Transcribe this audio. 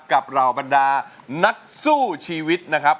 เหล่าบรรดานักสู้ชีวิตนะครับ